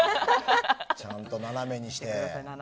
ちゃんと斜めにして。